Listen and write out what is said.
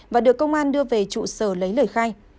và được công an đưa về trụ sở lấy lời khai